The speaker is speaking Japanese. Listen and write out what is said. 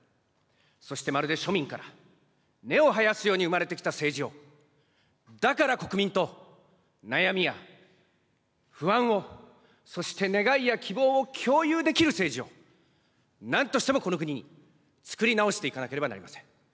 そしてまるで庶民から根を生やすように生まれてきた政治を、だから国民と、悩みや不安を、そして願いや希望を共有できる政治を、なんとしてもこの国につくり直していかなければなりません。